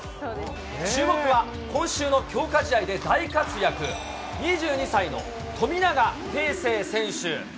注目は、今週の強化試合で大活躍、２２歳の富永啓生選手。